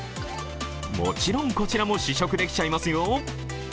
もちろん、こちらも試食できちゃいますよ。